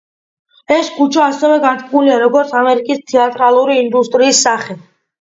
ეს ქუჩა ასევე განთქმულია, როგორც ამერიკის თეატრალური ინდუსტრიის სახე.